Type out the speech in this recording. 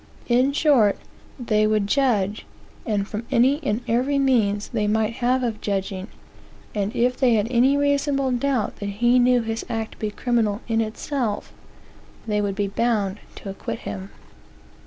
In short, they would judge, from any and every means they might have of judging; and if they had any reasonable doubt that he knew his act to be criminal in itself, they would be bound to acquit him.